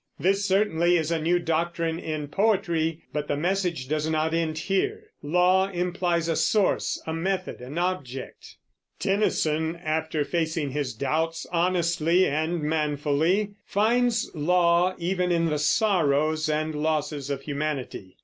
This certainly is a new doctrine in poetry, but the message does not end here. Law implies a source, a method, an object. Tennyson, after facing his doubts honestly and manfully, finds law even in the sorrows and losses of humanity.